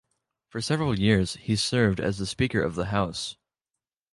For several years he served as the speaker of the House.